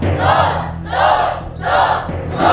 สู้